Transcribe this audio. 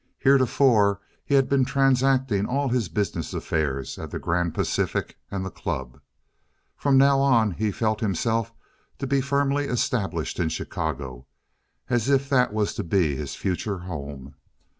Heretofore, he had been transacting all his business affairs at the Grand Pacific and the club. From now on he felt himself to be firmly established in Chicago—as if that was to be his future home.